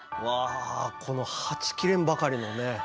わあこのはち切れんばかりのね。